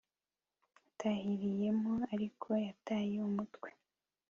atahiriyemo ariko yataye umutwe